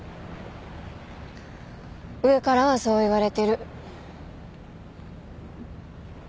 上からはそう言われてる。